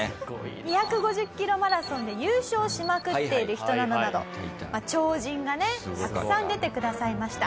２５０キロマラソンで優勝しまくっている人などなど超人がねたくさん出てくださいました。